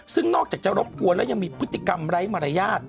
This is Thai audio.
ซึ่งนอกจากจะรบกวนแล้วยังมีพฤติกรรมไร้มารยาท